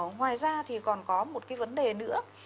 ngoài ra thì còn có một cái vấn đề nữa